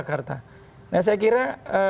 jakarta nah saya kira